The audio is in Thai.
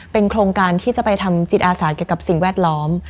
เป็นโครงการที่จะไปทำจิตอาสาเกี่ยวกับสิ่งแวดล้อม